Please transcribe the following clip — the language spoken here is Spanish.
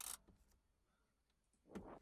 Es una cantante de folk, pop y rock.